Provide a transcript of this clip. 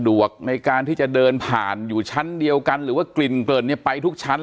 วกในการที่จะเดินผ่านอยู่ชั้นเดียวกันหรือว่ากลิ่นเกริ่นเนี่ยไปทุกชั้น